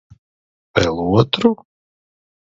Vēl otru?